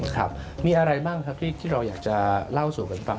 ครับมีอะไรบ้างครับที่เราอยากจะเล่าสู่กันฟัง